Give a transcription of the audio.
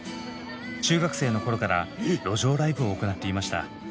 中学生の頃から路上ライブを行っていました。